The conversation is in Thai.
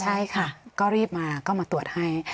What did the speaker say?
ใช่ค่ะก็รีบมาก็มาตรวจให้